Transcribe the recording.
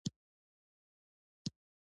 که ګاونډی ناروغ وي، لیدنه یې ثواب لري